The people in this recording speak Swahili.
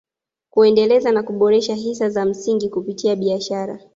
Kuendeleza na kuboresha hisa za msingi kupitia biashara